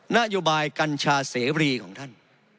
นโยบายกัญชาเสรีของท่าน